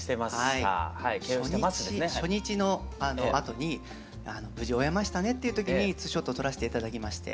はい初日初日のあとに無事終えましたねっていう時にツーショットを撮らして頂きまして。